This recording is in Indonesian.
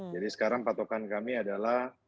jadi sekarang patokan kami adalah